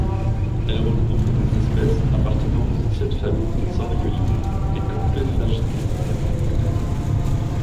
Elle regroupe des espèces appartenant aux anciennes familles des oriolidés et campéphagidés.